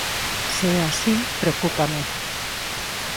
Se é así, preocúpame.